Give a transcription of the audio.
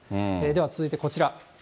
では続いてこちら。